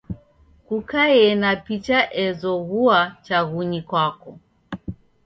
Kukaie na picha ezoghua chaghunyi kwako.